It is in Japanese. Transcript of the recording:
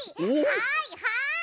はいはい！